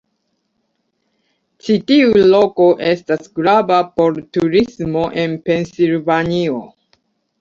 Ĉi tiu loko estas grava por turismo en Pensilvanio.